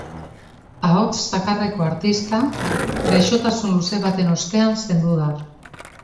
Ahots zakarreko artista gaixotasun luze baten ostean zendu da.